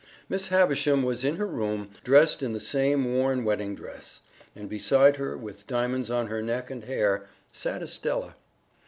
Miss Havisham was in her room, dressed in the same worn wedding dress, and beside her, with diamonds on her neck and hair, sat Estella.